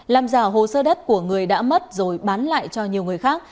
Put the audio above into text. làm giả hồ sơ đất của người đã mất rồi bán lại cho nhiều người khác